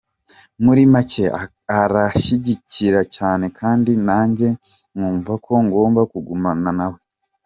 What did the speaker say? Muri make aranshyigikira cyane kandi nanjye nkumva ko ngomba kugumana na we…”.